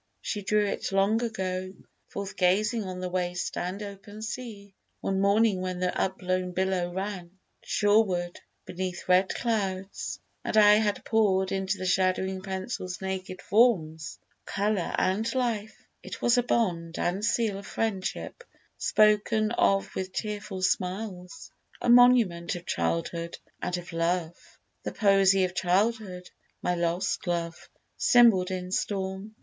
She drew it long ago Forth gazing on the waste and open sea, One morning when the upblown billow ran Shoreward beneath red clouds, and I had pour'd Into the shadowing pencil's naked forms Colour and life: it was a bond and seal Of friendship, spoken of with tearful smiles; A monument of childhood and of love, The poesy of childhood; my lost love Symbol'd in storm.